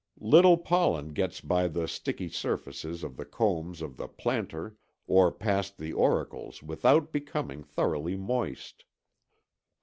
Little pollen gets by the sticky surfaces of the combs of the plantar or past the auricles without becoming thoroughly moist.